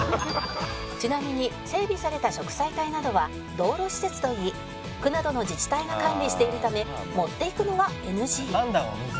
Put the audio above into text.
「ちなみに整備された植栽帯などは道路施設といい区などの自治体が管理しているため持っていくのはＮＧ」「判断はむずいよ」